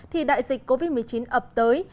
thì đại dịch covid một mươi chín ập tới